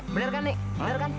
bener kan nek bener kan